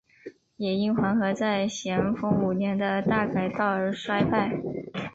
也因黄河在咸丰五年的大改道而衰败。